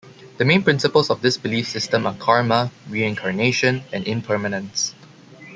The main principles of this belief system are karma, reincarnation, and impermanence.